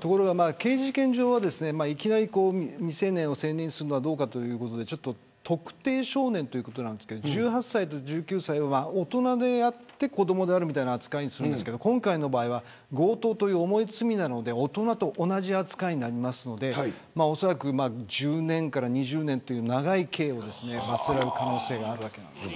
ところが刑事事件上はいきなり未成年を成年にするのはどうかということで特定少年ということで１８歳と１９歳は大人であって子どもであるみたいな扱いですが今回は強盗という重い罪なので大人と同じ扱いなのでおそらく１０年から２０年という長い刑を科せられる可能性がある。